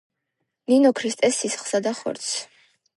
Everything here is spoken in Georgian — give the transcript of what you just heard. ნინო ქრისტეს სისხლსა და ხორცს.